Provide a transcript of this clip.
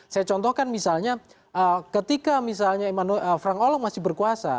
saya contohkan misalnya ketika frank hollande masih berkuasa